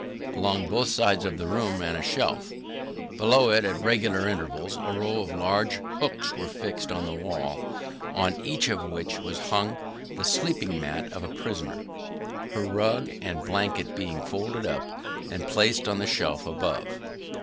Along both sides of the room ran a shelf; below it, at regular intervals, a row of large hooks were fixed in the wall, on each of which was hung the sleeping mat of a prisoner: her rug and blanket being folded up, and placed on the shelf above.